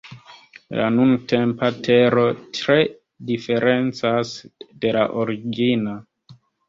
La nuntempa Tero tre diferencas de la origina.